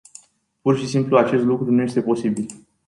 Pur și simplu acest lucru nu este posibil.